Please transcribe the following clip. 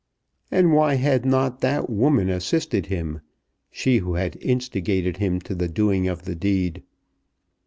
And why had not that woman assisted him, she who had instigated him to the doing of the deed?